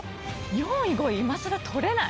４位５位今更とれない。